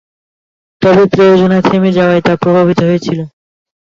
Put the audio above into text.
তবে প্রযোজনা থেমে যাওয়ায় তা প্রভাবিত হয়েছিল।